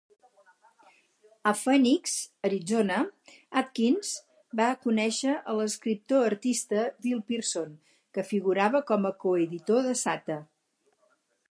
A Phoenix, Arizona, Adkins va conèixer l'escriptor-artista Bill Pearson, que figurava com a coeditor de "Sata".